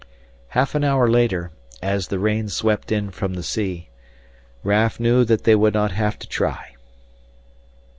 Half an hour later, as the rain swept in from the sea, Raf knew that they would not have to try.